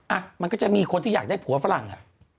อ่ะมันก็จะมีคนที่อยากได้ผัวฝรั่งอ่ะ